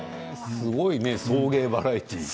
すごいね送迎バラエティー。